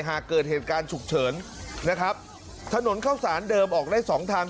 หากเกิดเหตุการณ์ฉุกเฉินนะครับถนนเข้าสารเดิมออกได้สองทาง